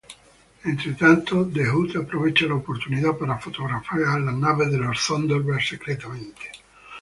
Entretanto, The Hood aprovecha la oportunidad para fotografiar las naves de los Thunderbird secretamente.